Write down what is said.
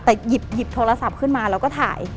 แต่หยิบโทรศัพท์ขึ้นมาแล้วก็ถ่าย